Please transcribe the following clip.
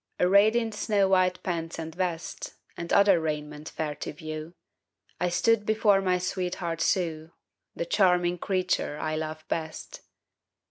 Arrayed in snow white pants and vest, And other raiment fair to view, I stood before my sweetheart Sue The charming creature I love best.